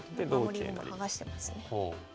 守り駒剥がしてますね。